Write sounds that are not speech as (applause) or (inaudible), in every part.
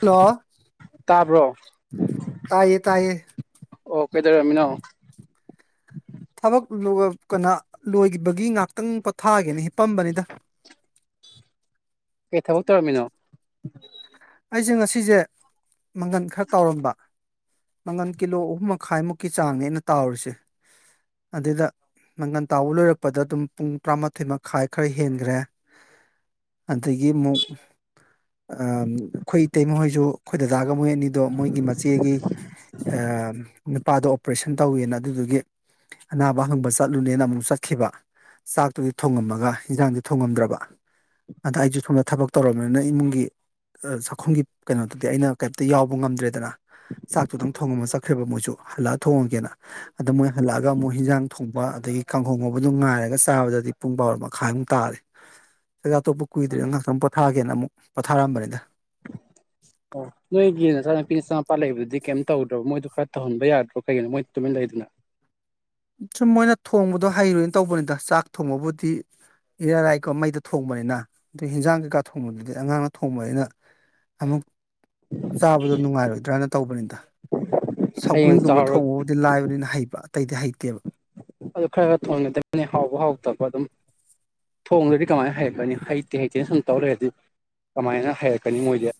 hello ꯇꯥꯕ꯭ꯔꯣ ꯇꯥꯏꯌꯦ ꯇꯥꯏꯌꯦ ꯑꯣ ꯀꯩꯗꯧꯔꯝꯃꯤꯅꯣ ꯊꯕꯛ (unintelligible) ꯀꯅꯥ ꯂꯣꯏꯈꯤꯕꯒꯤ ꯉꯥꯛꯇꯪ ꯄꯣꯊꯥꯒꯦꯅꯤ ꯍꯤꯞꯄꯝꯕꯅꯤꯗ ꯀꯩ ꯊꯥꯕꯛ ꯇꯧꯔꯝꯃꯤꯅꯣ ꯑꯩꯁꯨ ꯉꯁꯤꯁꯦ ꯃꯪꯒꯟ ꯈꯔ ꯇꯥꯎꯔꯝꯕ ꯃꯪꯒꯟ ꯀꯤꯂꯣ ꯑꯍꯨꯝ ꯃꯈꯥꯏꯃꯨꯛꯀꯤ ꯆꯥꯡꯅꯦ ꯑꯩꯅ ꯇꯥꯎꯔꯤꯁꯦ ꯑꯗꯨꯗ ꯃꯪꯒꯟ ꯇꯥꯕ ꯂꯣꯏꯔꯛꯄꯗ ꯑꯗꯨꯝ ꯄꯨꯡ ꯇꯔꯥꯃꯥꯊꯣꯏ ꯃꯈꯥꯏ ꯈꯔ ꯍꯦꯟꯈ꯭ꯔꯦ ꯑꯗꯒꯤ ꯑꯃꯨꯛ ꯑꯩꯈꯣꯏ ꯏꯇꯩꯃ ꯍꯣꯏꯁꯨ ꯑꯩꯈꯣꯏ ꯗꯗꯥꯒ ꯃꯣꯏ ꯑꯅꯤꯗꯣ ꯃꯣꯏꯒꯤ ꯃꯆꯦꯒꯤ ꯅꯨꯄꯥꯗꯣ ꯑꯣꯄꯔꯦꯁꯟ ꯇꯧꯋꯦꯅ ꯑꯗꯨꯗꯨꯒꯤ ꯑꯅꯥꯕ ꯍꯪꯕ ꯆꯠꯂꯨꯅꯦꯅ ꯑꯃꯨꯛ ꯆꯠꯈꯤꯕ ꯆꯥꯛꯇꯨꯗꯤ ꯊꯣꯡꯉꯝꯃꯒ ꯍꯟꯖꯥꯡꯗꯤ ꯊꯣꯡꯉꯝꯗ꯭ꯔꯕ ꯑꯗ ꯑꯩꯁꯨ ꯁꯣꯝꯗ ꯊꯕꯛ ꯇꯧꯔꯕꯅꯤꯅ ꯏꯃꯨꯡꯒꯤ ꯆꯥꯛꯈꯨꯝꯒꯤ ꯀꯩꯅꯣꯗꯨꯗꯤ ꯑꯩꯅ ꯀꯩꯝꯇ ꯌꯥꯎꯕ ꯉꯝꯗ꯭ꯔꯦꯗꯅ ꯆꯥꯛꯇꯨꯗꯪ ꯊꯣꯡꯉꯝꯃ ꯆꯠꯈ꯭ꯔꯦꯕ ꯃꯣꯏꯁꯨ ꯍꯜꯂꯛꯑ ꯊꯣꯡꯉꯝꯒꯦꯅ ꯑꯗ ꯃꯣꯏ ꯍꯜꯂꯛꯑꯒ ꯑꯃꯨꯛ ꯍꯤꯟꯖꯥꯡ ꯊꯣꯡꯕ ꯑꯗꯒꯤ ꯀꯥꯡꯉꯧ ꯉꯧꯕꯗꯨ ꯉꯥꯏꯔꯒ ꯆꯥꯕꯗꯗꯤ ꯄꯨꯡ ꯕꯥꯔꯤ ꯃꯈꯥꯏꯃꯨꯛ ꯇꯥꯔꯦ ꯆꯥꯛꯆ ꯇꯣꯛꯄ ꯀꯨꯏꯗ꯭ꯔꯤꯅ ꯉꯥꯛꯇ ꯄꯣꯊꯥꯒꯦꯅ ꯑꯃꯨꯛ ꯄꯣꯊꯥꯔꯝꯕꯅꯤꯗ (inaudible) ꯑꯣ ꯅꯣꯏꯒꯤ ꯅꯆꯥꯅꯨꯄꯤ ꯅꯆꯥꯅꯨꯄꯥ ꯂꯩꯕꯗꯨꯗꯤ ꯀꯩꯝ ꯇꯧꯗ꯭ꯔꯕ ꯃꯣꯏꯗꯨ ꯈꯔ ꯇꯧꯍꯟꯕ ꯌꯥꯗ꯭ꯔꯣ ꯀꯩꯒꯤꯅꯣ ꯃꯣꯏ ꯇꯨꯃꯤꯟ ꯂꯩꯗꯨꯅ ꯁꯨꯝ ꯃꯣꯏꯅ ꯊꯣꯡꯕꯗꯣ ꯍꯩꯔꯣꯏꯅ ꯇꯧꯕꯅꯤꯗ ꯆꯥꯛ ꯊꯣꯡꯕꯕꯨꯗꯤ ꯏꯔꯥ ꯂꯥꯏꯁꯣ ꯃꯩꯗ ꯊꯣꯡꯕꯅꯤꯅ ꯑꯗꯨ ꯍꯤꯟꯖꯥꯡ ꯀꯩꯀꯥ ꯊꯣꯡꯕꯗꯨꯗꯤ ꯑꯉꯥꯡꯅ ꯊꯣꯡꯕꯅꯤꯅ ꯑꯃꯨꯛ ꯆꯥꯕꯗꯣ ꯅꯨꯡꯉꯥꯏꯔꯣꯏꯗ꯭ꯔꯅ ꯇꯧꯕꯅꯤꯗ ꯁꯧꯒꯔꯤ ꯍꯌꯦꯡ ꯒꯨꯝꯕ ꯆꯥꯎꯔꯒ ꯊꯣꯡꯕꯕꯨꯗꯤ ꯂꯥꯏꯕꯅꯤꯅ ꯍꯩꯕ ꯑꯇꯩꯗꯤ ꯍꯩꯇꯦꯕ ꯑꯗꯨ ꯈꯔ ꯈꯔ ꯊꯣꯡꯍꯟꯒꯗꯕꯅꯤ ꯍꯥꯎꯕ ꯍꯥꯎꯇꯕ ꯑꯗꯨꯝ ꯊꯣꯡꯗꯗꯤ ꯀꯃꯥꯏꯅ ꯍꯩꯔꯛꯀꯅꯤ ꯍꯩꯇꯦ ꯍꯩꯇꯦꯅ ꯁꯨꯝ ꯇꯧ ꯂꯩꯔꯗꯤ ꯑꯗꯨꯗꯤ ꯀꯃꯥꯏꯅ ꯍꯩꯔꯛꯀꯅꯤ ꯃꯣꯏꯗꯤ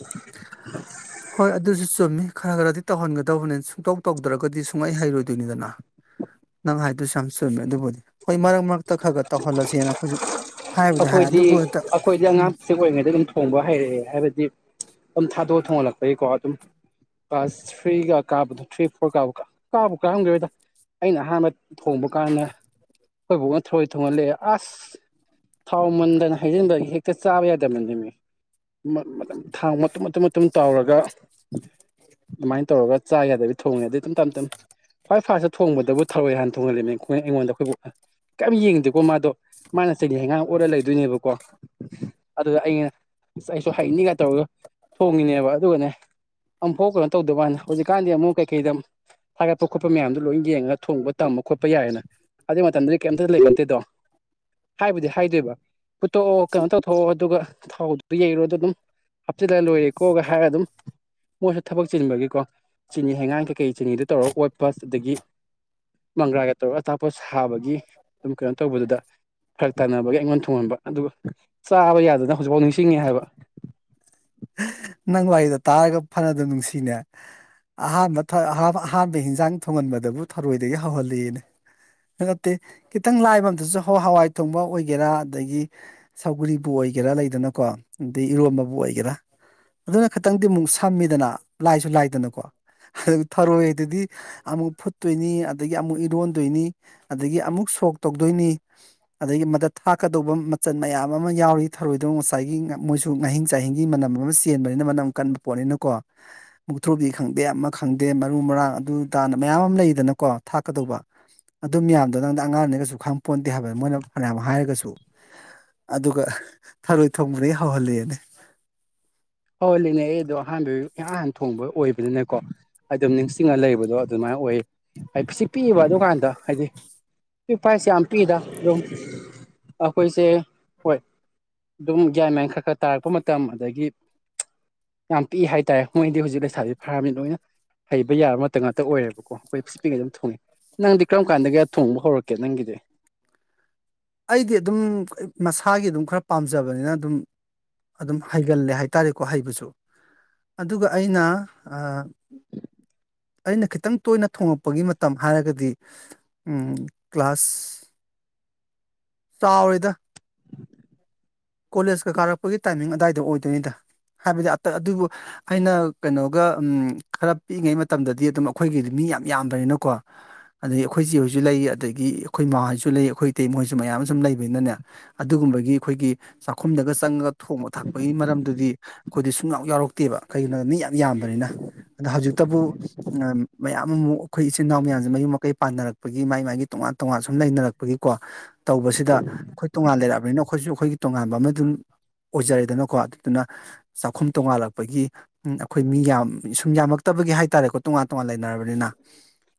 (inaudible) ꯍꯣꯏ ꯑꯗꯨꯁꯨ ꯆꯨꯝꯃꯤ ꯈꯔ ꯈꯔꯗꯤ ꯇꯧꯍꯟꯒꯗꯕꯅꯤ ꯁꯨꯡꯇꯧ ꯇꯧꯗ꯭ꯔꯒꯗꯤ ꯁꯨꯡꯍꯩ ꯍꯩꯔꯣꯏꯗꯣꯏꯅꯤꯗꯅ ꯅꯪ ꯍꯥꯏꯗꯨꯁꯨ ꯌꯥꯝ ꯆꯨꯝꯃꯦ ꯑꯗꯨꯕꯨꯗꯤ ꯍꯣꯏ ꯃꯔꯛ ꯃꯔꯛꯇ ꯈꯔ ꯈꯔ ꯇꯧꯍꯜꯂꯁꯦꯅ ꯑꯩꯈꯣꯏꯁꯨ ꯍꯥꯏꯕꯨꯗꯤ ꯍꯥꯏ ꯑꯩꯈꯣꯏꯗꯤ ꯑꯗꯨꯕꯨ ꯍꯦꯛꯇ ꯑꯩꯈꯣꯏꯗꯤ ꯎꯝ ꯑꯉꯥꯡꯁꯦ ꯄꯤꯁꯛ ꯑꯣꯏꯔꯤꯉꯩꯗ ꯑꯗꯨꯝ ꯊꯣꯡꯕ ꯍꯩꯔꯛꯑꯦ ꯍꯥꯏꯕꯗꯤ ꯑꯗꯨꯝ ꯊꯥꯗꯣꯛ ꯊꯣꯡꯍꯜꯂꯛꯄꯒꯤꯀꯣ ꯑꯗꯨꯝ ꯀ꯭ꯂꯥꯁ ꯊ꯭ꯔꯤꯒ ꯀꯥꯕꯗꯣ ꯊ꯭ꯔꯤ ꯐꯣꯔ ꯀꯥꯕ ꯀ ꯀꯥꯕꯨ ꯀꯥꯔꯝꯈꯤꯔꯣꯏꯗ ꯑꯩꯅ ꯑꯍꯥꯟꯕ ꯊꯣꯡꯕ ꯀꯥꯟꯗ ꯑꯩꯈꯣꯏ ꯕꯣꯛꯅ ꯊꯔꯣꯏ ꯊꯣꯡꯍꯜꯂꯛꯑꯦ ꯑꯁ ꯊꯥꯎ ꯃꯟꯗꯅ ꯍꯩꯖꯤꯟꯕꯒꯤ ꯍꯦꯛꯇ ꯆꯥꯕ ꯌꯥꯗꯕꯅꯤꯃꯤ ꯊꯥꯎ ꯃꯇꯨꯝ ꯃꯇꯨꯝ ꯃꯇꯨꯝ ꯇꯥꯎꯔꯒ ꯑꯗꯨꯃꯥꯏꯅ ꯇꯧꯔꯒ ꯆꯥ ꯌꯥꯗꯕ ꯊꯣꯡꯉꯦ ꯑꯗꯨꯩ ꯑꯗꯨꯝ ꯇꯞ ꯇꯞ ꯈ꯭ꯋꯥꯏ ꯐꯥꯔꯁꯇ ꯊꯣꯡꯕꯗꯕꯨ ꯊꯧꯔꯏ ꯍꯥꯟꯅ ꯊꯣꯡꯍꯜꯜꯂꯦꯃꯦ ꯑꯩꯉꯣꯟꯗ ꯑꯩꯈꯣꯏ ꯕꯣꯛꯅ ꯀꯩꯝ ꯌꯦꯡꯗꯦꯀꯣ ꯃꯥꯗꯣ ꯗꯤ ꯏꯟꯖꯥꯡ ꯑꯣꯠꯂ ꯂꯩꯗꯣꯏꯅꯦꯕꯀꯣ ꯑꯗꯨꯗ ꯑꯩꯅ ꯑꯩꯁꯨ ꯍꯩꯅꯤꯡꯒ ꯇꯧꯔꯒ ꯊꯣꯡꯉꯤꯅꯦꯕ ꯑꯗꯨꯒꯅꯦ ꯑꯃꯝꯐꯥꯎ ꯀꯩꯅꯣ ꯇꯧꯗꯕꯅꯤ ꯍꯧꯖꯤꯛꯀꯥꯟꯗꯤ ꯑꯃꯨꯛ ꯀꯩꯀꯩꯗ ꯊꯒꯠꯄ ꯈꯣꯠꯄ ꯃꯌꯥꯝꯗꯣ ꯂꯣꯏ ꯌꯦꯡꯉꯒ ꯊꯣꯡꯕ ꯇꯝꯕ ꯈꯣꯠꯄ ꯌꯥꯏꯔꯦꯅ ꯑꯗꯨꯏ ꯃꯇꯝꯗꯗꯤ ꯀꯩꯝꯇ ꯂꯩꯕ ꯅꯠꯇꯦꯗꯣ ꯍꯥꯏꯕꯨꯗꯤ ꯍꯥꯏꯗꯦꯕ ꯐꯨꯠꯇꯣꯛꯑꯣ ꯀꯩꯅꯣ ꯇꯧꯊꯣꯛꯑꯣ ꯑꯗꯨꯒ ꯊꯥꯎꯗꯨꯗ ꯌꯩꯔꯣ ꯗ ꯑꯗꯨꯝ ꯍꯥꯞꯆꯤꯜꯂꯒ ꯂꯣꯏꯔꯦꯀꯣꯒ ꯍꯥꯏꯔꯒ ꯑꯗꯨꯝ ꯃꯣꯏꯁꯨ ꯊꯕꯛ ꯆꯤꯟꯕꯒꯤꯀꯣ ꯆꯤꯅꯤ ꯍꯩꯉꯥꯡ ꯀꯩꯀꯩ ꯆꯤꯅꯤꯗꯨ ꯇꯧꯔꯒ ꯑꯣꯠꯄ ꯑꯗꯒꯤ ꯃꯪꯒ꯭ꯔꯥꯒ ꯇꯧꯔꯒ ꯑꯆꯥꯄꯣꯠ ꯁꯥꯕꯒꯤ ꯑꯗꯨꯝ ꯀꯩꯅꯣ ꯇꯧꯕꯗꯨꯗ ꯐꯔꯛ ꯇꯥꯟꯅꯕꯒꯤ ꯑꯩꯉꯣꯟꯗ ꯊꯣꯡꯍꯟꯕ ꯑꯗꯨꯒ ꯆꯥꯕ ꯌꯥꯗꯅ ꯍꯧꯖꯤꯛꯐꯥꯎ ꯅꯤꯡꯁꯤꯡꯉꯦ ꯍꯥꯏꯕ ꯅꯪ ꯋꯥꯔꯤꯗꯣ ꯇꯥꯔꯒ ꯐꯅꯗꯨꯝ ꯅꯨꯡꯁꯤꯅꯦ ꯑꯍꯥꯟꯕ ꯑꯍꯥꯟꯕ ꯍꯤꯟꯖꯥꯡ ꯊꯣꯡꯍꯟꯕꯗꯕꯨ ꯊꯔꯣꯏꯗꯒꯤ ꯍꯧꯍꯜꯂꯤꯑꯅꯦ ꯅꯠꯇꯦ ꯈꯤꯇꯪ ꯂꯥꯏꯕ ꯑꯃꯝꯗꯁꯨ ꯍꯋꯥꯏ ꯊꯣꯡꯕ ꯑꯣꯏꯒꯦꯔꯥ ꯑꯗꯒꯤ ꯁꯧꯒꯔꯤꯕꯨ ꯑꯣꯏꯒꯦꯔꯥ ꯂꯩꯗꯅꯀꯣ ꯑꯗꯩ ꯏꯔꯣꯝꯕꯕꯨ ꯑꯣꯏꯒꯦꯔꯥ ꯑꯗꯨꯅ ꯈꯇꯪꯗꯤ ꯑꯃꯨꯛ ꯁꯝꯃꯤꯗꯅ ꯂꯥꯏꯁꯨ ꯂꯥꯏꯗꯅꯀꯣ ꯊꯔꯣꯏꯗꯨꯗꯤ ꯑꯃꯨꯛ ꯐꯨꯠ ꯇꯣꯏꯅꯤ ꯑꯗꯥꯒꯤ ꯑꯃꯨꯛ ꯏꯔꯣꯟꯗꯣꯏꯅꯤ ꯑꯗꯥꯒꯤ ꯑꯃꯨꯛ ꯁꯣꯛ ꯇꯧꯗꯣꯏꯅꯤ ꯑꯗꯥꯒꯤ ꯃꯥꯗ ꯊꯥꯛꯀꯗꯧꯕ ꯃꯆꯜ ꯃꯌꯥꯝ ꯑꯃꯥ ꯌꯥꯎꯔꯤ ꯊꯧꯔꯣꯏꯗꯣ ꯉꯁꯥꯏꯒꯤ ꯃꯣꯏꯁꯨ ꯉꯥꯍꯤꯡ ꯆꯥꯍꯤꯡꯒꯤ ꯃꯅꯝ ꯑꯃꯥ ꯆꯦꯟꯕꯅꯤꯅ ꯃꯅꯝ ꯀꯟꯕ ꯄꯣꯠꯅꯤꯅꯀꯣ ꯃꯨꯊ꯭ꯔꯨꯕꯤ ꯈꯪꯗꯦ ꯑꯃꯥ ꯈꯪꯗꯦ ꯃꯔꯨ ꯃꯔꯥꯡ ꯑꯗꯨ ꯑꯥꯗꯅ ꯃꯌꯥꯝ ꯑꯃꯥ ꯂꯩꯗꯅꯀꯣ ꯊꯥꯛꯀꯗꯧꯕ ꯑꯗꯨ ꯃꯌꯥꯝꯗꯣ ꯅꯪꯗꯤ ꯑꯉꯥꯡꯅꯤꯅꯁꯨ ꯈꯪ ꯄꯣꯟꯇꯦ ꯍꯥꯏꯕ ꯃꯣꯏꯅ ꯐꯥꯅ ꯌꯥꯝ ꯍꯥꯏꯔꯒꯁꯨ ꯑꯗꯨꯒ ꯊꯔꯣꯏ ꯊꯣꯡꯕꯗꯒꯤ ꯍꯧꯍꯜꯂꯦꯅꯦ ꯍꯣꯏ ꯂꯩꯅꯦ ꯑꯩꯗꯣ ꯑꯍꯥꯟꯕ ꯏꯍꯥꯟ ꯍꯥꯟ ꯊꯣꯡꯕ ꯑꯣꯏꯕꯅꯤꯅꯀꯣ ꯑꯗꯨꯝ ꯅꯤꯡꯁꯤꯡꯉꯥ ꯂꯩꯕꯗꯣ ꯑꯗꯨꯃꯥꯏꯟ ꯑꯣꯏ ꯍꯥꯏꯗꯤ ꯄꯁꯤꯛ ꯄꯤꯏꯌꯦꯕ ꯑꯗꯨꯀꯥꯟꯗ ꯍꯥꯏꯗꯤ ꯐꯥꯏꯁꯦ ꯌꯥꯝ ꯄꯤꯛꯏꯗ ꯑꯗꯨꯝ ꯑꯩꯈꯣꯏꯁꯦ ꯍꯣꯏ ꯑꯗꯨꯝ ꯒ꯭ꯌꯥꯟ ꯃ꯭ꯌꯦꯟ ꯈꯔ ꯈꯔ ꯇꯥꯔꯛꯄ ꯃꯇꯝ ꯑꯗꯥꯒꯤ ꯌꯥꯝ ꯄꯤꯛꯏ ꯍꯥꯏꯇꯥꯔꯦ ꯀꯨꯏꯗ꯭ꯔꯤ ꯍꯧꯖꯤꯛ ꯂꯩꯁꯥꯥꯕꯤ ꯐꯥꯔꯝꯅꯤ ꯂꯣꯏꯅ ꯍꯩꯕ ꯌꯥꯕ ꯃꯇꯝ ꯉꯥꯛꯇ ꯑꯣꯏꯔꯦꯕꯀꯣ ꯑꯩꯈꯣꯏ ꯄꯤꯁꯤꯛ ꯄꯤꯏꯉꯩ ꯑꯗꯨꯝ ꯊꯣꯡꯉꯦ ꯅꯪꯗꯤ ꯀꯔꯝ ꯀꯥꯟꯗꯒꯤ ꯊꯣꯡꯕ ꯍꯧꯔꯛꯀꯦ ꯅꯪꯒꯤꯗꯤ ꯑꯩꯗꯤ ꯑꯗꯨꯝ ꯃꯁꯥꯒꯤ ꯑꯗꯨꯝ ꯈꯔ ꯄꯥꯝꯖꯕꯅꯤꯅ ꯑꯗꯨꯝ ꯑꯗꯨꯝ ꯍꯩꯒꯜꯂꯦ ꯍꯥꯏꯇꯥꯔꯦꯀꯣ ꯍꯩꯕꯁꯨ ꯑꯗꯨꯒ ꯑꯩꯅ ꯑꯥ ꯑꯩꯅ ꯈꯤꯇꯪ ꯇꯣꯏꯅ ꯊꯣꯡꯉꯛꯄꯒꯤ ꯃꯇꯝ ꯍꯥꯏꯔꯒꯗꯤ ꯎꯝ ꯀ꯭ꯂꯥꯁ ꯀꯥꯎꯔꯦꯗ ꯀꯣꯂꯦꯁꯀ ꯀꯥꯔꯛꯄꯒꯤ ꯇꯥꯏꯃꯤꯡ ꯑꯗꯥꯏꯗ ꯑꯣꯏꯗꯣꯏꯅꯤꯗ ꯍꯥꯏꯕꯗꯤ ꯑꯗꯨꯕꯨ ꯑꯩꯅ ꯀꯩꯅꯣꯒ ꯎꯝ ꯈꯔ ꯄꯤꯛꯏꯉꯩ ꯃꯇꯝꯗꯗꯤ ꯑꯗꯨꯝ ꯑꯩꯈꯣꯏꯒꯤ ꯃꯤ ꯌꯥꯝ ꯌꯥꯝꯕꯅꯤꯅꯀꯣ ꯑꯗꯥꯒꯤ ꯑꯩꯈꯣꯏ ꯏꯆꯦꯍꯣꯏꯁꯨ ꯂꯩ ꯑꯗꯥꯒꯤ ꯑꯩꯈꯣꯏ ꯃꯃꯥꯍꯣꯏꯁꯨ ꯂꯩ ꯑꯩꯈꯣꯏ ꯏꯇꯩꯃꯍꯣꯏꯁꯨ ꯃꯌꯥꯝ ꯁꯨꯝ ꯂꯩꯕꯅꯤꯅꯅꯦ ꯑꯗꯨꯒꯨꯝꯕꯒꯤ ꯑꯩꯈꯣꯏꯒꯤ ꯆꯥꯛꯈꯨꯝꯗꯒ ꯆꯪꯉꯒ ꯊꯣꯡꯕ ꯊꯥꯛꯄꯒꯤ ꯃꯔꯝꯗꯨꯗꯤ ꯑꯩꯈꯣꯏꯗꯤ ꯁꯨꯡꯌꯥꯎ ꯌꯥꯎꯔꯛꯇꯦꯕ ꯀꯩꯒꯤꯅꯣꯗ ꯃꯤ ꯌꯥꯝ ꯌꯥꯝꯕꯅꯤꯅ ꯍꯧꯖꯤꯛꯇꯕꯨ ꯃꯌꯥꯝ ꯑꯃꯨꯛ ꯑꯩꯈꯣꯏ ꯏꯆꯤꯟ ꯏꯅꯥꯎ ꯃꯌꯥꯝꯁꯦ ꯃꯌꯨꯝ ꯃꯀꯩ ꯄꯥꯟꯅꯔꯛꯄꯒꯤ ꯃꯥꯒꯤ ꯃꯥꯒꯤ ꯇꯣꯉꯥꯟ ꯇꯣꯉꯥꯟ ꯁꯨꯝ ꯂꯩꯅꯔꯛ ꯒꯤꯀꯣ ꯇꯧꯕꯁꯤꯗ ꯑꯩꯈꯣꯏ ꯇꯣꯉꯥꯟ ꯂꯩꯔꯛꯑꯕꯅꯤꯅ ꯑꯩꯈꯣꯏꯁꯨ ꯑꯩꯈꯣꯏꯒꯤ ꯇꯣꯉꯥꯟꯕ ꯑꯃꯥꯗꯨꯝ ꯑꯣꯏꯖꯔꯦꯗꯅꯀꯣ ꯑꯗꯨꯅ ꯆꯥꯛꯈꯨꯝ ꯇꯣꯡꯉꯥꯜꯂꯛꯄꯒꯤ ꯑꯩꯈꯣꯏ ꯃꯤ ꯌꯥꯝ ꯁꯨꯝ ꯌꯥꯝꯂꯛꯇꯕꯒꯤ ꯍꯥꯏ ꯍꯥꯏꯇꯥꯔꯦꯀꯣ ꯇꯣꯉꯥꯟ ꯇꯣꯉꯥꯟ ꯂꯩꯅꯔꯕꯅꯤꯅ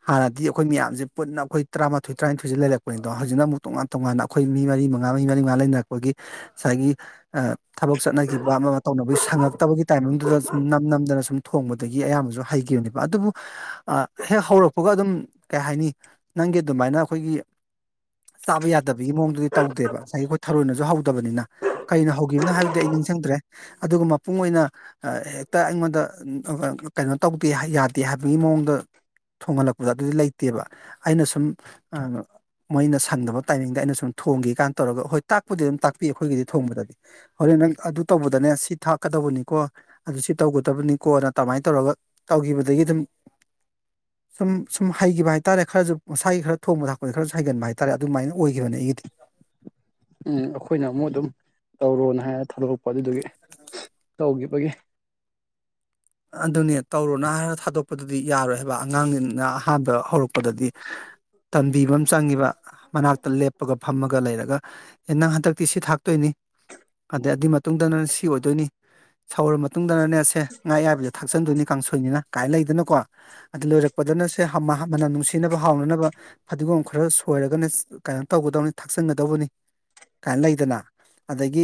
ꯍꯥꯟꯅꯗꯤ ꯑꯩꯈꯣꯏ ꯃꯌꯥꯝꯁꯦ ꯄꯨꯟꯅ ꯑꯩꯈꯣꯏ ꯇꯔꯥꯃꯥꯊꯣꯏ ꯇꯔꯥꯅꯤꯊꯣꯏꯁꯦ ꯂꯩꯔꯛꯄꯅꯤꯗꯣ ꯍꯧꯖꯤꯛꯅ ꯑꯃꯨꯛ ꯇꯣꯉꯥꯟ ꯇꯣꯉꯥꯟꯅ ꯑꯩꯈꯣꯏ ꯃꯤ ꯃꯔꯤ ꯃꯉꯥ ꯃꯤ ꯃꯔꯤ ꯃꯉꯥ ꯂꯩꯅꯔꯛꯄꯒꯤ ꯉꯁꯥꯏꯒꯤ ꯑꯥ ꯊꯥꯕꯛ ꯆꯠꯅꯈꯤꯕ ꯑꯃꯥ ꯑꯃꯥ ꯇꯧꯅꯕꯒꯤ ꯁꯪꯉꯛꯇꯕꯒꯤ ꯇꯥꯏꯃꯤꯡꯗꯨꯗ ꯁꯨꯝ ꯅꯝ ꯅꯝꯗꯅ ꯁꯨꯝ ꯊꯣꯡꯕꯗꯒꯤ ꯑꯌꯥꯝꯕꯁꯨ ꯍꯩꯈꯤꯕꯅꯤ ꯑꯗꯨꯕꯨ ꯍꯦꯛ ꯍꯧꯔꯛꯄꯒ ꯑꯗꯨꯝ ꯀꯩ ꯍꯥꯏꯅꯤ ꯅꯪꯒꯤ ꯑꯗꯨꯃꯥꯏꯅ ꯑꯩꯈꯣꯏꯒꯤ ꯆꯥꯕ ꯌꯥꯗꯕꯒꯤ ꯃꯑꯣꯡꯗꯨꯗꯤ ꯇꯧꯗꯦꯕ ꯉꯁꯥꯏꯒꯤ ꯑꯩꯈꯣꯏ ꯊꯥꯔꯣꯏꯅꯁꯨ ꯍꯧꯗꯕꯅꯤꯅ ꯀꯩꯅ ꯍꯧꯈꯤꯕꯅꯣ ꯍꯥꯏꯕꯗꯤ ꯑꯩ ꯅꯤꯡꯁꯪꯗ꯭ꯔꯦ ꯑꯗꯨꯒ ꯃꯄꯨꯡ ꯑꯣꯏꯅ ꯍꯦꯛꯇ ꯑꯩꯉꯣꯟꯗ ꯀꯩꯅꯣ ꯇꯧꯗꯦ ꯌꯥꯗꯦ ꯍꯥꯏꯕꯒꯤ ꯃꯑꯣꯡꯗ ꯊꯣꯡꯍꯜꯂꯛꯄꯗꯨ ꯑꯗꯨꯗꯤ ꯂꯩꯇꯦꯕ ꯑꯩꯅ ꯁꯨꯝ ꯃꯣꯏꯅ ꯁꯪꯗꯕ ꯇꯥꯏꯃꯤꯡꯗ ꯑꯩꯅ ꯁꯨꯝ ꯊꯣꯡꯒꯦ ꯀꯥꯟ ꯇꯧꯔꯒ ꯍꯣꯏ ꯇꯥꯛꯄꯨꯗꯤ ꯑꯗꯨꯝ ꯇꯥꯛꯄꯤ ꯑꯩꯈꯣꯏꯒꯤꯗꯤ ꯊꯣꯡꯕꯗ ꯍꯣꯔꯦꯟ ꯅꯪ ꯑꯗꯨ ꯇꯧꯕꯗꯅꯦ ꯁꯤ ꯊꯥꯛꯀꯗꯧꯕꯅꯤꯀꯣ ꯑꯗꯨ ꯁꯤ ꯇꯧꯒꯗꯕꯅꯤꯀꯣꯅ ꯀꯃꯥꯏꯟ ꯇꯧꯔꯒ ꯇꯧꯈꯤꯕꯗꯒꯤ ꯑꯗꯨꯝ ꯁꯨꯝ ꯁꯨꯝ ꯍꯩꯈꯤꯕ ꯍꯥꯏꯇꯥꯔꯦ ꯈꯔꯁꯨ ꯃꯁꯥꯏꯒꯤ ꯈꯔ ꯊꯣꯡꯕ ꯊꯥꯛꯄꯗ ꯈꯔꯁꯨ ꯍꯩꯒꯟꯕ ꯍꯥꯏꯇꯥꯔꯦ ꯑꯗꯨꯃꯥꯏꯟ ꯑꯣꯏꯈꯤꯕꯅꯦ ꯑꯩꯒꯤꯗꯤ ꯎꯝ ꯑꯩꯈꯣꯏꯅ ꯑꯃꯨꯛ ꯑꯗꯨꯝ ꯇꯧꯔꯣꯅ ꯍꯥꯏꯔ ꯊꯥꯗꯣꯔꯛꯄ ꯑꯗꯨꯗꯨꯒꯤ ꯇꯧꯈꯤꯕꯒꯤ ꯑꯗꯨꯅꯦ ꯇꯧꯔꯣꯅ ꯍꯥꯏꯔ ꯊꯥꯗꯣꯛꯄꯗꯨꯗꯤ ꯌꯥꯔꯣꯏ ꯍꯥꯏꯕ ꯑꯉꯥꯡꯅ ꯑꯍꯥꯟꯕ ꯍꯧꯔꯛꯄꯗꯗꯤ ꯇꯝꯕꯤꯕ ꯑꯃ ꯆꯪꯉꯤꯕ ꯃꯅꯥꯛꯇ ꯂꯦꯞ ꯐꯝꯃꯒ ꯂꯩꯔꯒ ꯑꯦ ꯅꯪ ꯍꯟꯗꯛꯇꯤ ꯁꯤ ꯊꯥꯛꯇꯣꯏꯅꯤ ꯑꯗꯩ ꯑꯗꯨꯏ ꯃꯇꯨꯡꯗ ꯁꯤ ꯑꯣꯏꯗꯣꯏꯅꯤ ꯁꯧꯔ ꯃꯇꯨꯡꯗꯅꯦ ꯁꯦ ꯉꯥ ꯑꯌꯥꯏꯕꯗꯨ ꯊꯥꯛꯆꯟꯗꯣꯏꯅꯤ ꯀꯥꯡꯁꯣꯏꯅꯤꯅ ꯀꯥꯏ ꯂꯩꯗꯅꯀꯣ ꯑꯗꯨ ꯂꯣꯏꯔꯛꯄꯗꯅ ꯁꯦ ꯃꯅꯝ ꯅꯨꯡꯁꯤꯅꯕ ꯍꯥꯎꯅꯅꯕ ꯐꯗꯤꯒꯣꯝ ꯈꯔ ꯁꯣꯏꯔꯒꯅꯦ ꯀꯩꯅꯣ ꯇꯧꯒꯗꯕꯅꯤ ꯊꯥꯛꯆꯤꯟꯒꯗꯧꯕꯅꯤ ꯀꯥꯏꯅ ꯂꯩꯗꯅ ꯑꯗꯒꯤ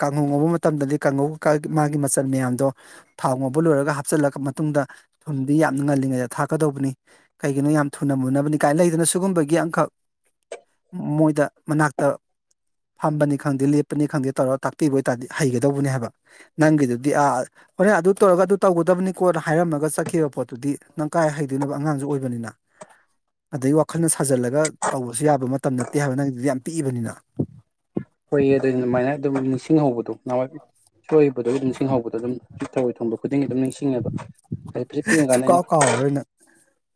ꯀꯥꯡꯉꯧ ꯉꯧꯕ ꯃꯇꯝꯗꯗꯤ ꯀꯥꯡꯉꯧꯀ ꯃꯥꯒꯤ ꯃꯆꯜ ꯃꯌꯥꯝꯗꯣ ꯊꯥꯎ ꯉꯧꯕ ꯂꯣꯏꯔꯒ ꯍꯥꯞꯆꯤꯜꯂꯕ ꯃꯇꯨꯡꯗ ꯊꯨꯨꯝꯗꯤ ꯌꯥꯝꯅ ꯉꯜꯂꯤꯉꯩꯗ ꯊꯥꯛꯀꯗꯧꯕꯅꯤ ꯀꯩꯒꯤꯅꯣ ꯌꯥꯝ ꯊꯨꯅ ꯃꯨꯅꯕꯅꯤ ꯀꯥꯏꯅ ꯂꯩꯗꯅ ꯁꯤꯒꯨꯝꯕꯒꯤ ꯑꯃꯈꯛ ꯃꯣꯏꯗ ꯃꯅꯥꯛꯇ ꯐꯝꯕꯅꯤ ꯈꯪꯗꯦ ꯂꯦꯞꯄꯅꯤ ꯈꯪꯗꯦ ꯇꯧꯔꯒ ꯇꯥꯛꯄꯤꯕ ꯑꯣꯏꯔꯗꯤ ꯍꯩꯒꯗꯧꯕꯅꯦ ꯍꯥꯏꯕ ꯅꯪꯒꯤꯗꯨꯗꯤ ꯑꯥ ꯍꯣꯔꯦꯟ ꯑꯗꯨ ꯇꯧꯔꯒ ꯑꯗꯨ ꯇꯧꯒꯗꯕꯅꯤꯀꯣꯅ ꯍꯥꯏꯔꯝꯃꯒ ꯆꯠꯈꯤꯕ ꯄꯣꯠꯇꯨꯗꯤ ꯅꯪ ꯀꯥꯏ ꯍꯩꯗꯣꯏꯅꯣꯕ ꯑꯉꯥꯡꯁꯨ ꯑꯣꯏꯕꯅꯤꯅ ꯑꯗꯩ ꯋꯥꯈꯜꯅ ꯁꯥꯖꯤꯜꯂꯒ ꯇꯧꯕꯁꯨ ꯌꯥꯕ ꯃꯇꯝ ꯅꯠꯇꯦ ꯍꯥꯏꯕ ꯅꯪꯗꯨꯗꯤ ꯌꯥꯝ ꯄꯤꯛꯏꯕꯅꯤꯅ ꯍꯣꯏꯌꯦ ꯑꯗꯨ ꯑꯗꯨꯃꯥꯏꯅ ꯑꯗꯨꯝ ꯅꯤꯡꯁꯤꯡꯍꯧꯕꯗꯣ ꯅꯍꯥꯟꯋꯥꯏ ꯁꯣꯏꯕꯗꯣ ꯑꯗꯨ ꯅꯤꯡꯁꯤꯡꯍꯧꯕꯗꯣ ꯑꯗꯨꯝ ꯊꯥꯔꯣꯢ ꯊꯣꯡꯕ ꯈꯨꯗꯤꯡꯒꯤ ꯑꯗꯨꯝ ꯅꯤꯡꯁꯤꯡꯉꯦꯕ ꯑꯗꯨ ꯄꯤꯁꯤꯛ ꯄꯤꯛꯋꯤ ꯀꯥꯟꯗ ꯑꯩꯅ ꯁꯨꯡꯀꯥꯎ ꯀꯥꯎꯔꯔꯣꯏ ꯅꯪ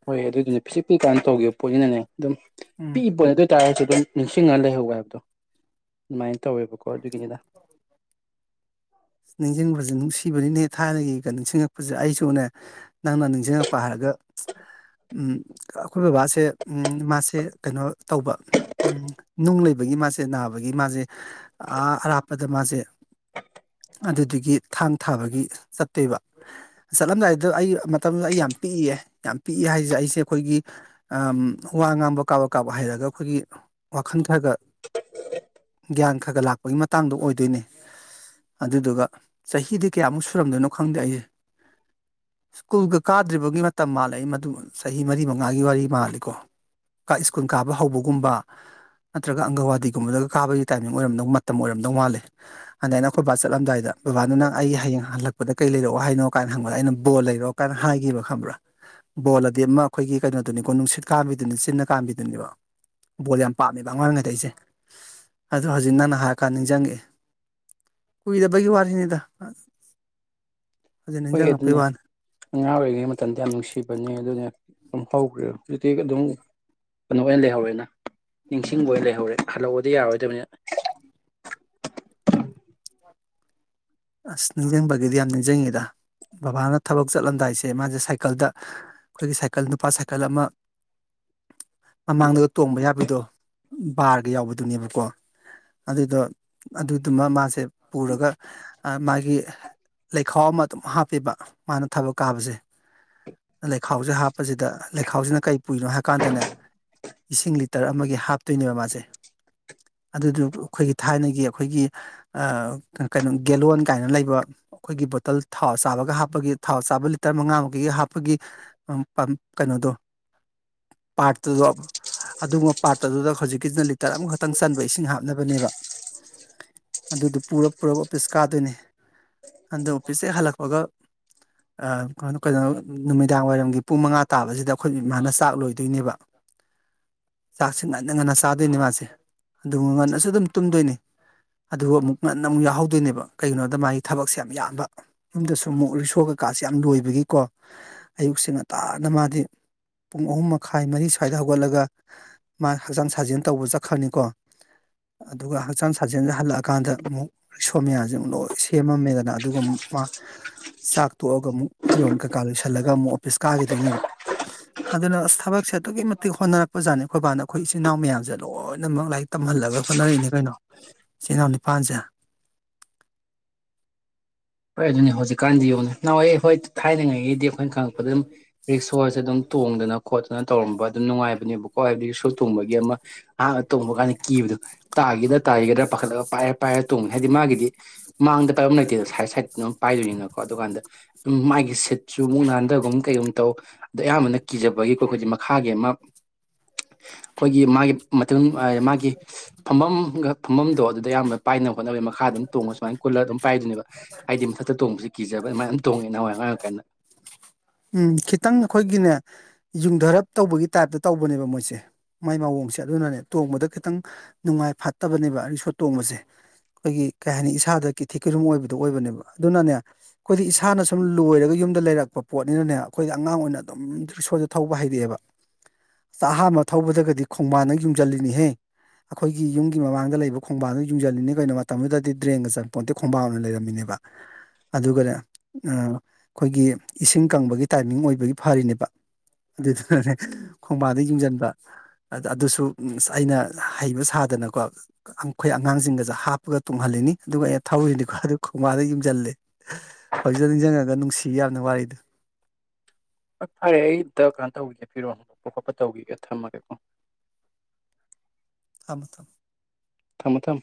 ꯍꯣꯏ ꯑꯗꯨꯗꯨꯅꯦ ꯄꯤꯁꯤꯛ ꯄꯤꯛ ꯀꯥꯟꯗ ꯇꯧꯈꯤꯕ ꯄꯣꯠꯅꯤꯅꯅꯦ ꯑꯗꯨꯝ ꯎꯝ ꯄꯤꯛꯏꯕ ꯄꯣꯠꯅꯤ ꯑꯗꯨ ꯇꯥꯏꯔꯁꯨ ꯑꯗꯨꯝ ꯅꯤꯡꯁꯤꯡꯉꯒ ꯂꯩꯍꯧꯕ ꯍꯥꯏꯕꯗꯣ ꯑꯗꯨꯃꯥꯏꯅ ꯇꯧꯋꯦꯕꯀꯣ ꯑꯗꯨꯒꯤꯅꯤꯗ ꯅꯤꯡꯁꯤꯡꯕꯁꯦ ꯅꯨꯡꯁꯤꯕꯅꯤꯅꯦ ꯊꯥꯢꯅꯒꯤꯒ ꯅꯤꯡꯁꯤꯡꯉꯛꯄꯁꯦ ꯑꯩꯁꯨꯅꯦ ꯅꯪꯅ ꯅꯤꯡꯁꯤꯡꯉꯥꯛꯄ ꯍꯥꯢꯔꯒ ꯑꯩꯈꯣꯏ ꯕꯕꯥꯁꯦ ꯃꯥꯁꯦ ꯀꯩꯅꯣ ꯇꯧꯕ ꯎꯝ ꯅꯨꯡ ꯂꯩꯕꯒꯤ ꯃꯥꯁꯦ ꯅꯥꯕꯒꯤ ꯃꯥꯁꯦ ꯑꯥ ꯑꯔꯥꯞꯄꯗ ꯃꯥꯁꯦ ꯑꯗꯨꯗꯒꯤ ꯊꯥꯡ ꯊꯥꯕꯒꯤ ꯆꯠꯇꯣꯏꯕ ꯆꯠꯂꯝꯗꯥꯏꯗ ꯑꯩ ꯃꯇꯝꯗꯨꯗ ꯑꯩ ꯌꯥꯝ ꯄꯤꯛꯏꯑꯦ ꯌꯥꯝ ꯄꯤꯛꯏ ꯍꯥꯏꯁꯦ ꯑꯩꯁꯦ ꯑꯩꯈꯣꯏꯒꯤ ꯋꯥ ꯉꯥꯡꯕ ꯀꯥꯕꯛ ꯀꯥꯕꯛ ꯍꯩꯔꯒ ꯑꯩꯈꯣꯏꯒꯤ ꯋꯥꯈꯜ ꯈꯔꯒ ꯒ꯭ꯌꯥꯟ ꯈꯔ ꯈꯔ ꯂꯥꯛꯄꯒꯤ ꯃꯇꯥꯡꯗꯣ ꯑꯣꯏꯗꯣꯏꯅꯦ ꯑꯗꯨꯗꯨꯒ ꯆꯍꯤꯗꯤ ꯀꯌꯥꯃꯨꯛ ꯁꯨꯔꯝꯗꯣꯏꯅꯣ ꯈꯪꯗꯦ ꯑꯩꯁꯦ ꯁ꯭ꯀꯨꯜꯒ ꯀꯥꯗ꯭ꯔꯤꯕꯒꯤ ꯃꯇꯝ ꯃꯥꯜꯂꯦ ꯃꯗꯨ ꯆꯍꯤ ꯃꯔꯤ ꯃꯉꯥꯒꯤ ꯋꯥꯔꯤ ꯃꯥꯜꯂꯤꯀꯣ ꯁ꯭ꯀꯨꯜ ꯀꯥꯕ ꯍꯧꯕꯒꯨꯝꯕ ꯅꯠꯇ꯭ꯔꯒ ꯑꯪꯒꯋꯥꯗꯤꯒꯨꯝꯕꯗꯒ ꯀꯥꯕꯒꯤ ꯇꯥꯏꯃꯤꯡ ꯑꯣꯏꯔꯝꯗꯧ ꯃꯇꯝ ꯑꯣꯏꯔꯝꯗꯧ ꯃꯥꯂꯦ ꯑꯗ ꯑꯩꯈꯣꯏꯕꯥ ꯆꯠꯂꯝꯗꯥꯏꯗ ꯕꯕꯥꯗꯨꯅ ꯑꯩ ꯍꯌꯦꯡ ꯍꯜꯂꯛꯄ ꯀꯩ ꯂꯩꯔꯛꯑꯣ ꯍꯥꯏꯅꯣ ꯀꯥꯏꯅ ꯍꯪꯕꯗ ꯑꯩꯅ ꯕꯣꯜ ꯂꯩꯔꯛꯑꯣ ꯀꯥꯏꯅ ꯍꯥꯏꯈꯤꯕ ꯈꯪꯕ꯭ꯔꯥ ꯕꯣꯜ ꯑꯗꯤ ꯑꯃ ꯑꯩꯈꯣꯏꯒꯤ ꯀꯩꯅꯣꯗꯨꯅꯤꯀꯣ ꯅꯨꯡꯁꯤꯠ ꯀꯥꯝꯕꯤꯗꯨꯅꯤ ꯆꯤꯟꯅ ꯀꯥꯝꯕꯤꯗꯨꯅꯦꯕ ꯕꯣꯜ ꯌꯥꯝ ꯄꯥꯝꯃꯦꯕ ꯑꯉꯥꯡ ꯑꯣꯢꯔꯤꯉꯩꯁꯦ ꯑꯗꯣ ꯍꯧꯖꯤꯛ ꯅꯪꯅ ꯍꯥꯏꯔꯀꯥꯟꯗ ꯅꯤꯡꯁꯤꯡꯉꯛꯑꯦ ꯀꯨꯏꯗꯕꯒꯤ ꯋꯥꯔꯤꯅꯤꯗ ꯍꯧꯖꯤꯛ ꯍꯣꯏ ꯅꯤꯡꯁꯤꯡꯉꯛꯄꯩ ꯑꯗꯨꯅꯦ ꯋꯥꯅꯤ ꯑꯉꯥꯡ ꯑꯣꯏꯔꯤꯉꯩ ꯃꯇꯝꯗ ꯌꯥꯝ ꯅꯨꯡꯁꯤꯕꯅꯦ ꯑꯗꯨꯅꯦ ꯑꯗꯨꯝ ꯍꯧꯈ꯭ꯔꯦ ꯍꯧꯖꯤꯛꯇꯤ ꯑꯗꯨꯝ ꯀꯩꯅꯣ ꯑꯣꯏꯅ ꯂꯩꯍꯧꯔꯦꯅ ꯅꯤꯡꯁꯤꯡꯕ ꯑꯣꯏꯅ ꯂꯩꯍꯧꯔꯦꯅ ꯍꯥꯟꯂꯛꯑꯣꯗꯤ ꯌꯥꯔꯣꯏꯗꯕꯅꯤꯅ ꯑꯁ ꯅꯤꯡꯁꯤꯡꯕꯒꯤꯗꯤ ꯌꯥꯝ ꯅꯤꯡꯁꯤꯡꯉꯤꯗ ꯕꯕꯥꯅ ꯊꯕꯛ ꯆꯠꯂꯝꯗꯥꯏꯁꯦ ꯃꯥꯁꯦ ꯁꯥꯏꯀꯜꯗ ꯑꯩꯈꯣꯏꯒꯤ ꯁꯥꯏꯀꯜ ꯅꯨꯄꯥ ꯁꯥꯏꯀꯜ ꯑꯃ ꯃꯃꯥꯡꯗꯒ ꯇꯣꯡꯕ ꯌꯥꯕꯗꯣ ꯕꯥꯔꯒ ꯌꯥꯎꯕꯗꯨꯅꯦꯕꯀꯣ ꯑꯗꯨꯗꯣ ꯑꯗꯨꯗꯨꯃ ꯃꯥꯁꯦ ꯄꯨꯔꯒ ꯃꯥꯒꯤ ꯂꯩꯈꯥꯎ ꯑꯃ ꯑꯗꯨꯝ ꯍꯥꯞꯄꯤꯕ ꯃꯥꯅ ꯊꯕꯛ ꯀꯥꯕꯁꯦ ꯂꯩꯈꯥꯎꯁꯦ ꯍꯥꯞꯄꯁꯤꯗ ꯂꯩꯈꯥꯎꯁꯤꯅ ꯀꯔꯤ ꯄꯨꯢꯅꯣ ꯍꯥꯏ ꯀꯥꯟꯗꯅꯦ ꯏꯁꯤꯡ ꯂꯤꯇꯔ ꯑꯃꯒꯤ ꯍꯥꯞꯇꯣꯏꯅꯦꯕ ꯃꯥꯁꯦ ꯑꯗꯨꯗꯨ ꯑꯩꯈꯣꯏꯒꯤ ꯊꯥꯏꯅꯒꯤ ꯑꯩꯈꯣꯏꯒꯤ ꯑꯥ ꯀꯩꯅꯣ ꯒꯦꯂꯣꯟ ꯀꯥꯏꯅ ꯂꯩꯕ ꯑꯩꯈꯣꯏꯒꯤ ꯕꯣꯇꯜ ꯊꯥꯎ ꯆꯥꯕꯒ ꯍꯥꯞꯄꯒꯤ ꯊꯥꯎ ꯆꯥꯕ ꯂꯤꯇꯔ ꯃꯉꯥꯃꯨꯛꯀꯤꯒ ꯍꯥꯞꯄꯒꯤ ꯎꯝ ꯄꯝ ꯀꯩꯅꯣꯗꯣ ꯄꯥꯠꯇꯔꯗꯣ ꯑꯗꯨꯒꯨꯝꯕ ꯄꯥꯔꯠ ꯑꯗꯨꯗ ꯍꯧꯖꯤꯛꯀꯤꯁꯤꯅ ꯂꯤꯇꯔ ꯑꯃꯈꯛꯇꯪ ꯆꯟꯕ ꯏꯁꯤꯡ ꯍꯥꯞꯅꯕꯅꯦꯕ ꯑꯗꯨꯗꯨ ꯄꯨꯔ ꯄꯨꯔꯒ ꯑꯣꯐꯤꯁ ꯀꯥꯗꯣꯏꯅꯤ ꯑꯗꯨ ꯑꯣꯐꯤꯁ ꯍꯜꯂꯛꯄꯒ ꯑꯥ ꯀꯩꯅꯣ ꯅꯨꯃꯤꯗꯥꯡ ꯋꯥꯏꯔꯝꯒꯤ ꯄꯨꯡ ꯃꯉꯥ ꯇꯥꯕꯁꯤꯗ ꯑꯩꯈꯣꯏ ꯏꯃꯅ ꯆꯥꯛ ꯂꯣꯏꯗꯣꯏꯅꯦꯕ (inaudible) ꯆꯥꯛꯁꯦ ꯉꯟꯅ ꯉꯟꯅ ꯆꯥꯗꯣꯏꯅꯤ ꯃꯥꯁꯦ ꯑꯗꯨꯒ ꯉꯟꯅꯁꯨ ꯑꯗꯨꯝ ꯇꯨꯝꯗꯣꯏꯅꯤ ꯑꯗꯨꯒ ꯑꯃꯨꯛ ꯉꯟꯅ ꯑꯃꯨꯛ ꯌꯥꯎꯍꯧ ꯑꯗꯨꯏꯅꯦꯕ ꯀꯩꯒꯤꯅꯣꯗ ꯃꯥꯒꯤ ꯊꯕꯛꯁꯦ ꯌꯥꯝ ꯌꯥꯝꯟꯕ ꯌꯨꯝꯗꯁꯨ ꯑꯃꯨꯛ ꯔꯤꯁꯣ ꯀꯩꯀꯥꯁꯦ ꯌꯥꯝ ꯂꯣꯏꯕꯒꯤꯀꯣ ꯑꯌꯨꯛꯁꯦ ꯉꯟꯇꯥꯅ ꯃꯥꯗꯤ ꯄꯨꯡ ꯑꯍꯨꯝ ꯃꯈꯥꯏ ꯃꯔꯤ ꯁ꯭ꯋꯥꯏꯗ ꯍꯧꯒꯠꯂꯒ ꯃꯥ ꯍꯛꯆꯥꯡ ꯁꯥꯖꯦꯜ ꯇꯧꯕ ꯆꯠꯈ꯭ꯔꯅꯤꯀꯣ ꯑꯗꯨꯒ ꯍꯛꯆꯥꯡ ꯁꯥꯖꯦꯜꯁ ꯍꯜꯂꯛꯑꯀꯥꯟꯗ ꯑꯃꯨꯛ ꯂꯤꯛꯁꯣ ꯃꯌꯥꯝꯖꯦ ꯂꯣꯏ ꯁꯦꯝꯃꯝꯃꯦꯗꯅ ꯑꯗꯨꯒ ꯑꯃꯨꯛ ꯃꯥ ꯆꯥꯛ ꯇꯣꯛꯑꯒ ꯑꯃꯨꯛ ꯐꯤꯔꯣꯟꯜ ꯀꯩꯀꯥ ꯂꯣꯏꯁꯤꯜꯂꯒ ꯑꯃꯨꯛ ꯑꯣꯐꯤꯁ ꯀꯥꯈꯤꯗꯣꯏꯅꯦꯕ ꯑꯗꯨꯅ ꯑꯁ ꯊꯕꯛꯁꯦ ꯑꯗꯨꯛꯀꯤ ꯃꯇꯤꯛ ꯍꯣꯠꯅꯔꯛꯄꯖꯥꯠꯅꯤ ꯑꯩꯈꯣꯏꯕꯥꯗ ꯑꯩꯈꯣꯏ ꯏꯆꯤꯜ ꯏꯅꯥꯎ ꯃꯌꯥꯝꯁꯦ ꯂꯣꯏꯅꯃꯛ ꯂꯥꯏꯔꯤꯛ ꯇꯝꯍꯜꯂꯒ ꯍꯣꯠꯅꯔꯛꯏꯅꯦ ꯀꯩꯅꯣ ꯏꯆꯜ ꯏꯅꯥꯎ ꯅꯤꯄꯥꯜꯁꯦ ꯍꯣꯏ ꯑꯗꯨꯅꯤ ꯍꯧꯖꯤꯛꯀꯥꯟꯗꯤ ꯌꯦꯡꯉꯨꯅꯦ ꯅꯍꯥꯟꯋꯥꯏ ꯑꯩꯈꯣꯏ ꯊꯥꯏꯅꯉꯩꯒꯤꯗꯤ ꯑꯩꯈꯣꯏꯅ ꯈꯪꯉꯛꯄꯗ ꯑꯗꯨꯝ ꯔꯤꯛꯁꯣꯖꯦ ꯑꯗꯨꯝ ꯇꯣꯡꯗꯅ ꯈꯣꯠ ꯑꯗꯨꯅ ꯇꯧꯔꯝꯕ ꯑꯗꯨꯝ ꯅꯨꯡꯉꯥꯏꯕꯅꯦꯕꯀꯣ ꯍꯥꯏꯕꯗꯤ ꯔꯤꯛꯁꯣ ꯇꯣꯡꯕꯒꯤ ꯑꯃ ꯍꯥꯟꯅ ꯇꯣꯡꯕ ꯀꯥꯟꯗ ꯀꯤꯕꯗꯣ ꯇꯥꯒꯤꯗ꯭ꯔꯥ ꯇꯥꯒꯤꯗ꯭ꯔꯥ ꯄꯥꯈꯠꯂꯒ ꯄꯥꯏꯔꯦ ꯄꯥꯏꯔ ꯇꯣꯡꯕꯅꯤ ꯍꯥꯏꯗꯤ ꯃꯥꯒꯤꯗꯤ ꯃꯥꯡꯗ ꯄꯥꯏꯐꯝ ꯂꯩꯇꯦꯗ ꯁꯥꯏꯠ ꯁꯥꯏꯠꯇ ꯑꯗꯨꯝ ꯄꯥꯏꯗꯣꯏꯅꯤꯅꯀꯣ ꯑꯗꯨꯀꯥꯟꯗ ꯑꯗꯨꯝ ꯃꯥꯒꯤ ꯁꯤꯠ ꯁꯨ ꯃꯨꯛ ꯅꯥꯟꯊꯒꯨꯝ ꯀꯩꯒꯨꯝ ꯇꯧ ꯑꯗꯨ ꯑꯌꯥꯝꯕꯅ ꯀꯤꯖꯕꯒꯤ ꯑꯩꯈꯣꯏꯗꯤ ꯃꯈꯥꯒꯤ ꯑꯃ ꯑꯩꯈꯣꯏꯒꯤ ꯃꯥꯒꯤ ꯃꯇꯝ ꯃꯥꯒꯤ ꯐꯝꯐꯝꯒ ꯐꯝꯐꯝꯗꯣ ꯑꯗꯨꯗ ꯑꯌꯥꯝꯕ ꯄꯥꯏꯅꯕ ꯍꯣꯠꯅꯅꯕꯩ ꯃꯈꯥ ꯑꯗꯨꯝ ꯇꯣꯡꯉ ꯁꯨꯃꯥꯏꯅ ꯀꯨꯜꯂꯔ ꯑꯗꯨꯝ ꯄꯥꯏꯗꯨꯣꯏꯅꯦꯕ ꯍꯥꯏꯗꯤ ꯃꯊꯛꯇ ꯇꯣꯡꯕꯁꯤ ꯀꯤꯖꯕ ꯑꯗꯨꯃꯥꯏꯅ ꯇꯣꯡꯉꯦ ꯅꯍꯋꯥꯏ ꯑꯉꯥꯡ ꯑꯣꯏꯀꯥꯟꯗ ꯎꯝ ꯈꯤꯇꯪ ꯑꯩꯈꯣꯏꯒꯤꯅꯦ ꯌꯨꯡꯊꯔꯞ ꯇꯧꯕꯒꯤ ꯇꯥꯏꯞꯇ ꯇꯧꯕꯅꯦꯕ ꯃꯣꯏꯖꯦ ꯃꯥꯏ ꯃꯋꯣꯡꯁꯦ ꯑꯗꯨꯅꯅꯦ ꯇꯣꯡꯕꯗ ꯈꯤꯇꯪ ꯅꯨꯡꯉꯥꯏ ꯐꯠꯇꯕꯅꯦꯕ ꯔꯤꯛꯁꯣ ꯇꯣꯡꯕꯁꯦ ꯑꯩꯈꯣꯏꯒꯤ ꯀꯩ ꯍꯥꯏꯅꯤ ꯏꯁꯥꯗ ꯀꯤꯊꯤ ꯀꯤꯔꯨꯝ ꯑꯣꯏꯕꯗꯣ ꯑꯣꯏꯕꯅꯦꯕ ꯑꯗꯨꯅꯅꯦ ꯑꯩꯈꯣꯏꯗꯤ ꯏꯁꯥꯅ ꯁꯨꯝ ꯂꯣꯏꯔꯒ ꯌꯨꯝꯗ ꯂꯩꯔꯛꯄ ꯄꯣꯠꯅꯤꯅꯅꯦ ꯑꯩꯈꯣꯏꯒꯤ ꯑꯉꯥꯡ ꯑꯣꯏꯅ ꯑꯗꯨꯝ ꯔꯤꯛꯁꯣꯖꯦ ꯊꯧꯕ ꯍꯩꯔꯛꯑꯦꯕ ꯑꯁ ꯑꯥꯍꯟꯕ ꯊꯧꯕꯗꯒꯗꯤ ꯈꯣꯡꯕꯥꯟꯗ ꯌꯨꯝꯁꯤꯜꯂꯤꯅꯤꯍꯦ ꯑꯩꯈꯣꯏꯒꯤ ꯌꯨꯝꯒꯤ ꯃꯃꯥꯡꯗ ꯂꯩꯕ ꯈꯣꯡꯕꯥꯟꯗꯨ ꯌꯨꯡꯁꯤꯜꯂꯤꯅꯤ ꯀꯩꯅꯣ ꯃꯇꯝꯗꯨꯗꯗꯤ ꯗ꯭ꯔꯦꯟꯒ ꯆꯜꯂꯝꯄꯣꯟꯇꯦ ꯈꯣꯡꯕꯥꯟ ꯑꯣꯏꯅ ꯂꯩꯔꯝꯃꯤ ꯃꯤꯅꯦꯕ ꯑꯗꯨꯒꯅꯦ ꯑꯥ ꯈꯣꯏꯒꯤ ꯏꯁꯤꯡ ꯀꯪꯕꯒꯤ ꯇꯥꯏꯃꯤꯡ ꯑꯣꯏꯕꯒꯤ ꯐꯔꯤꯅꯦꯕ ꯑꯗꯨꯗꯨꯅꯅꯦ ꯈꯣꯡꯕꯥꯟꯗ ꯌꯨꯡꯖꯟꯕ ꯑꯗꯨꯁꯨ ꯑꯩꯅ ꯍꯩꯕ ꯁꯥꯗꯅꯀꯣ ꯑꯩꯈꯣꯏ ꯑꯉꯥꯡꯁ꯫ꯖꯤꯡꯒꯖꯨ ꯍꯥꯞꯄꯒ ꯇꯣꯡꯍꯜꯂꯤꯅꯤ ꯑꯗꯨꯒ ꯑꯩꯅ ꯊꯧꯔꯤꯅꯤꯀꯣ ꯈꯣꯡꯕꯥꯡꯗ ꯌꯨꯝꯁꯤꯜꯂꯦ ꯍꯧꯖꯤꯛ ꯅꯤꯡꯁꯤꯡꯉꯒ ꯅꯨꯡꯁꯤ ꯌꯥꯝꯅ ꯋꯥꯔꯤꯗꯨ ꯍꯣꯏ ꯐꯔꯦ ꯑꯩ ꯑꯝꯇꯥ ꯀꯩꯅꯥꯏꯣ ꯇꯧꯈꯤꯒꯦ ꯐꯤꯔꯣꯟ ꯍꯣꯡꯗꯣꯛꯄ ꯈꯣꯠꯄꯥ ꯇꯧꯈꯤꯒꯦ ꯊꯝꯃꯒꯦꯀꯣ ꯊꯝꯃꯣ ꯊꯝꯃꯣ ꯊꯝꯃꯣ ꯊꯝꯃꯣ